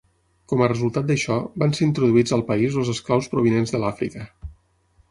Com a resultat d'això, van ser introduïts al país els esclaus provinents de l'Àfrica.